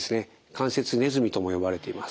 関節ネズミとも呼ばれています。